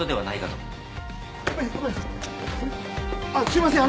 あっすいません